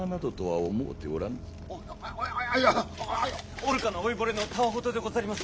愚かな老いぼれのたわ言でござりまする。